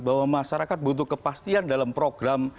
bahwa masyarakat butuh kepastian dalam program